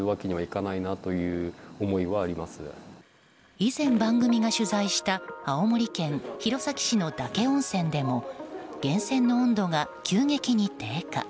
以前、番組が取材した青森県弘前市の嶽温泉でも源泉の温度が急激に低下。